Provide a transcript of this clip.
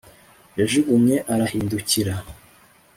yajugunye arahindukira